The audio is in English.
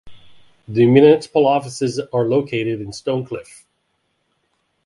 The municipal offices are located in Stonecliffe.